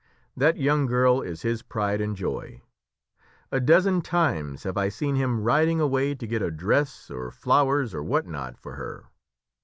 That young girl is his pride and his joy. A dozen times have I seen him riding away to get a dress, or flowers, or what not, for her.